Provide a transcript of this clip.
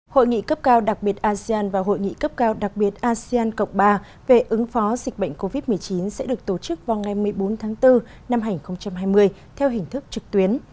hội nghị cấp cao đặc biệt asean và hội nghị cấp cao đặc biệt asean cộng ba về ứng phó dịch bệnh covid một mươi chín sẽ được tổ chức vào ngày một mươi bốn tháng bốn năm hai nghìn hai mươi theo hình thức trực tuyến